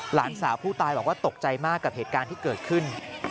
หลานสาวผู้ตายบอกว่าตกใจมากกับเหตุการณ์ที่เกิดขึ้น